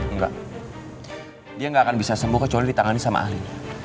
enggak dia nggak akan bisa sembuh kecuali ditangani sama ahli